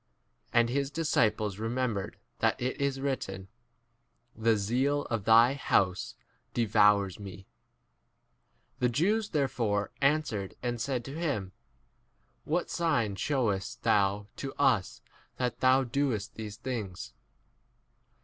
[And] his disciples remembered that it is written, The zeal of thy house 18 devoursi me. The Jews therefore answered and said to him, What sign shewest thou to us that thou 19 doest these things